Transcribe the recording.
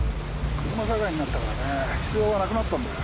車社会になったからね必要がなくなったんだよ。